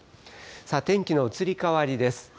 天気の移り変わりです。